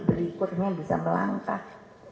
berikutnya bisa melangkah